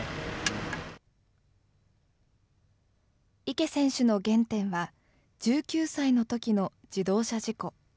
池選手の原点は、１９歳のときの自動車事故。